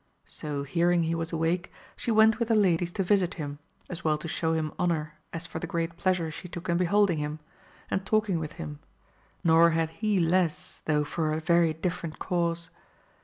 So hearing he was awake she went with her ladies to visit him, as well to show him honour as for the great pleasure she took in beholding him, and talking with him, nor had he less though for a very different cause.